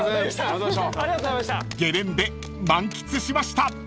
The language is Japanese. ［ゲレンデ満喫しました］